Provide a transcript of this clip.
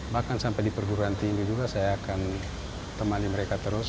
bahkan sampai di perguruan tinggi juga saya akan temani mereka terus